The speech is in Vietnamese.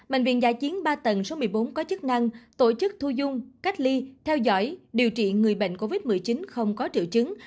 bệnh viện giả chiến ba tầng số một mươi bốn có chức năng tổ chức thu dung cách ly theo dõi điều trị người bệnh covid một mươi chín không có triệu chứng